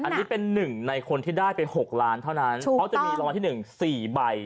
ก็จะเป็น๑ในคนที่ได้ไป๖ล้านเท่านั้นเพราะจะมีรางวัลที่๑๔ใบ